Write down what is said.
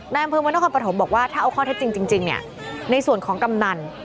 นายอำเภอมันนักความประถมบอกว่าถ้าเอาข้อที่จริงจริงจริงเนี่ยในส่วนของกำนัน